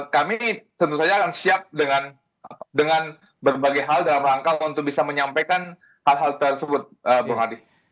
kami tentu saja akan siap dengan berbagai hal dalam rangka untuk bisa menyampaikan hal hal tersebut bung hadi